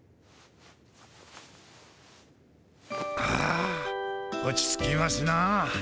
あ落ち着きますな。